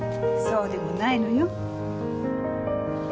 そうでもないのよ。